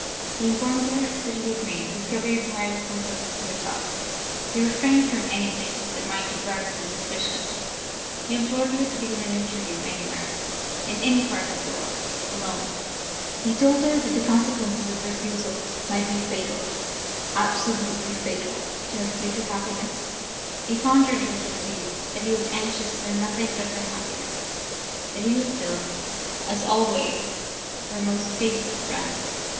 He informed her that he had made a discovery of the highest importance to herself he refrained from anything that might give rise to suspicion; he implored her to give him an interview anywhere, in any part of the world alone, he told her that the consequences of refusal might be fatal absolutely fatal to her future happiness: he conjured her to believe that he was anxious for nothing but her happiness: that he was still, as always, her most faithful friend.